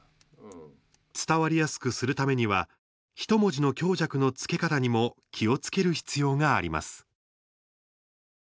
伝わりやすくするためにはひと文字の強弱のつけ方にも気をつける必要があります。